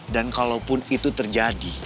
dan kalaupun itu terjadi